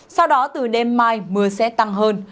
sau đó từ đêm mai mưa sẽ tăng hơn